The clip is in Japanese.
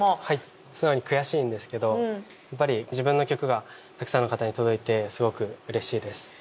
はい素直に悔しいんですけどやっぱり自分の曲がたくさんの方に届いてすごくうれしいです。